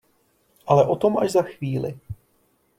Ale o tom až za chvíli...